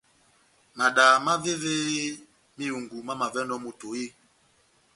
Madaha mávévémá ihungu mamavɛnɔni moto eeeh ?